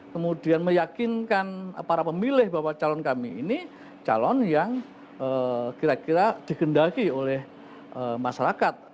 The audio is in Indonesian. kemudian meyakinkan para pemilih bahwa calon kami ini calon yang kira kira digendaki oleh masyarakat